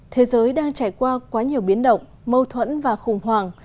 thế giới đang trải qua quá nhiều biến động mâu thuẫn và khủng hoảng